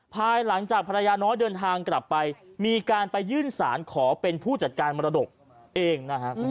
ภายหลังจากภรรยาน้อยเดินทางกลับไปมีการไปยื่นสารขอเป็นผู้จัดการมรดกเองนะฮะ